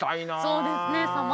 そうですね狭間。